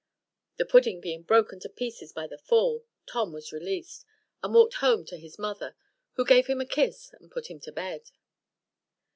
The pudding being broken to pieces by the fall, Tom was released, and walked home to his mother, who gave him a kiss and put him to bed.